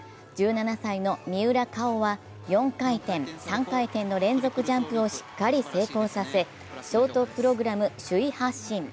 １７歳の三浦佳生は４回転、３回転の連続ジャンプをしっかり成功させショートプログラム首位発進。